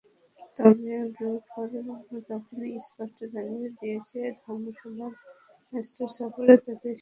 তবে ব্রাভোরা তখনই স্পষ্ট জানিয়ে দিয়েছেন, ধর্মশালার ম্যাচটাই সফরে তাদের শেষ ম্যাচ।